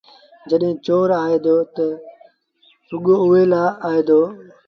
جڏهيݩٚ چور آئي دو تا رڳو ايٚئي لآ آئي دو